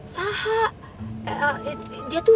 saha dia tuh